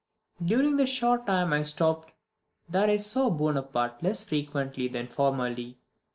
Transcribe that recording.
During the short time I stopped there I saw Bonaparte less frequently than formerly.